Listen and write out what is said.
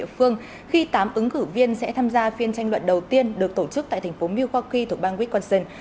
với tám ứng cử viên sẽ tham gia phiên tranh luận đầu tiên được tổ chức tại thành phố milwaukee thuộc bang wisconsin